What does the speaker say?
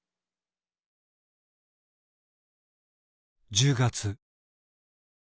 １０月。